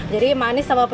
jadi manis sama pedasnya